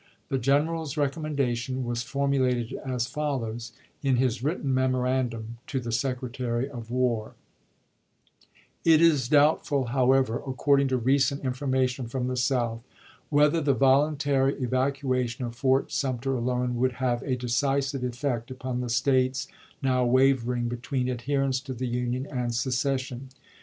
The general's recommendation was formulated as follows, in his written memorandum to the Secretary of War : It is doubtful, however, according to recent informa tion from the South, whether the voluntary evacuation of Fort Sumter alone would have a decisive effect upon the States now wavering between adherence to the Union and secession.